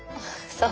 そう。